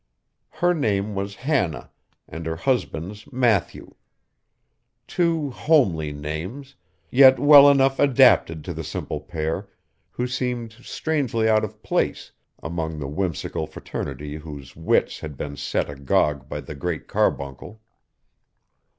Her name was Hannah, and her husband's Matthew; two homely names, yet well enough adapted to the simple pair, who seemed strangely out of place among the whimsical fraternity whose wits had been set agog by the Great Carbuncle.